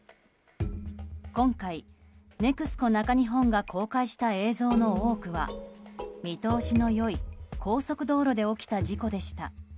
今回、ＮＥＸＣＯ中日本が公開した映像の多くは見通しの良い高速道路で起きた事故でした。